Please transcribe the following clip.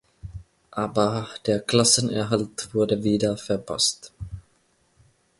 Aber der Klassenerhalt wurde wieder verpasst.